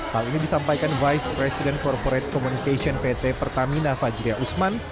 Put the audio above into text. hal ini disampaikan vice president corporate communication pt pertamina fajriya usman